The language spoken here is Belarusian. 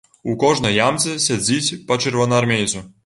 У кожнай ямцы сядзіць па чырвонаармейцу.